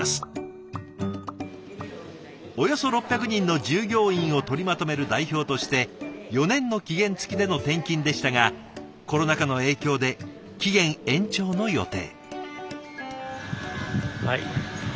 およそ６００人の従業員を取りまとめる代表として４年の期限付きでの転勤でしたがコロナ禍の影響で期限延長の予定。